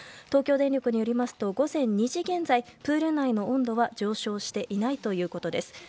東京電力によりますと午前２時現在プール内の温度は上昇していないということです。